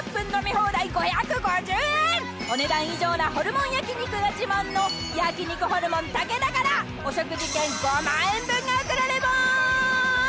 ［お値段以上なホルモン焼き肉が自慢の焼肉ホルモンたけ田からお食事券５万円分が贈られます］